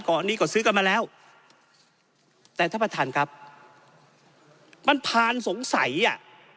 ก่อนนี้ก็ซื้อกันมาแล้วแต่ท่านประธานครับมันผ่านสงสัยอ่ะ